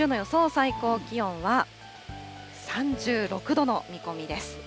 最高気温は３６度の見込みです。